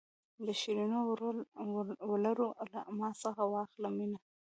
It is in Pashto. د شیرینو ولور له ما څخه واخله مینه.